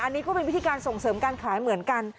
อันนี้ก็เป็นวิธีการส่งเสริมการขายเหมือนกัน